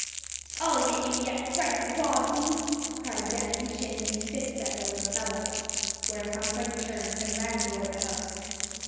"I'll get you yet, Freddie Bobbsey!" cried Danny, shaking his fist at the little fellow. Whereupon Freddie turned and ran toward the house.